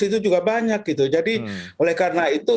itu juga banyak gitu jadi oleh karena itu